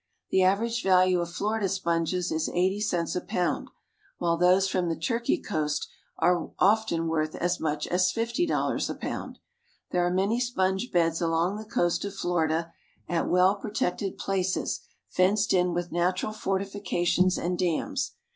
The average value of Florida sponges is 80 cents a pound, while those from the Turkey coast are often worth as much as $50 a pound. There are many sponge beds along the coast of Florida, at well protected places fenced in with natural fortifications and dams.